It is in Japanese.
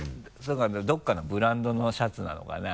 どこかのブランドのシャツなのかな？